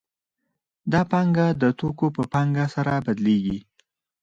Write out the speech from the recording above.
دا پانګه د توکو په پانګه سره بدلېږي